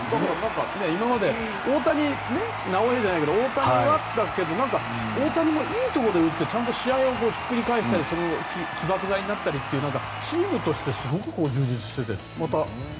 今まで「なおエ」じゃないけど大谷もいいところで打って試合をひっくり返したりそれが起爆剤になったりというチームとしてすごく充実していて。